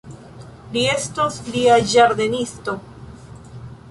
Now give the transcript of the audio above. Li estos lia ĝardenisto.